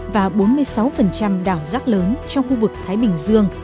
và bốn mươi sáu đảo rác lớn trong khu vực thái bình dương